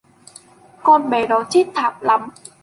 Còn bé nó chết thảm lắm